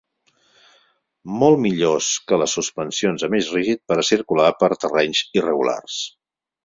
Molt millors que les suspensions amb eix rígid per a circular per terrenys irregulars.